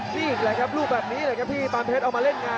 นี่อีกเลยครับลูกแบบนี้เหล่อันตรีปานเพชรเอามาเล่นงาน